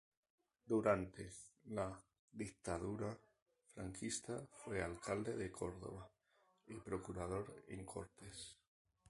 Durante la Dictadura franquista fue alcalde de Córdoba y procurador en Cortes.